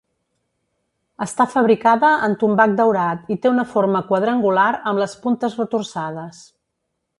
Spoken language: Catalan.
Està fabricada en tombac daurat i té una forma quadrangular amb les puntes retorçades.